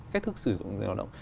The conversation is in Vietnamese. cách thức sử dụng người lao động